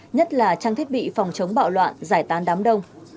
nhất là trang thiết bị phòng chống bạo loạn giải tán đám đông